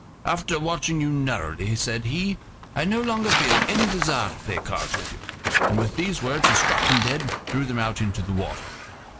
"After watching you narrowly," said he, "I no longer feel any desire to play cards with you"; and with these words he struck them dead and threw them out into the water.